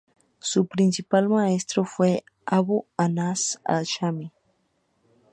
Su principal maestro fue Abu Anas al-Shami.